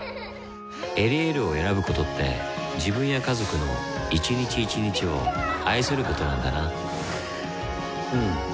「エリエール」を選ぶことって自分や家族の一日一日を愛することなんだなうん。